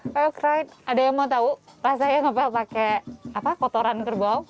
pak ukraina ada yang mau tahu rasanya ngepel pakai kotoran kerbau